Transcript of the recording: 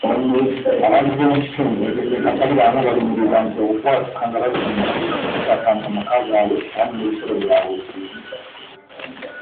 Abantu ab’omukitundu abatali bamu baalumiriza nti okubwatuka nga bazimba kuttattanye amaka gaabwe awamu n’ebisolo byabwe.